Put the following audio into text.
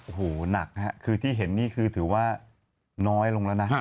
โอ้โหหนักฮะคือที่เห็นนี่คือถือว่าน้อยลงแล้วนะ